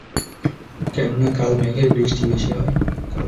কেননা কাল মেঘে বৃষ্টি বেশি হয়।